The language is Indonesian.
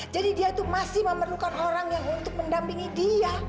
jadi dia itu masih memerlukan orang yang untuk mendampingi dia